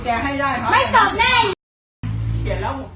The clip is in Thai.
ช่วยด้วยค่ะส่วนสุด